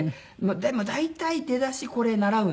でも大体出だしこれ習うんですね